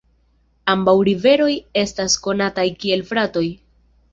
Ambaŭ riveroj estas konataj kiel fratoj.